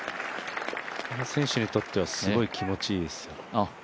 選手にとってはすごい気持ちいいです。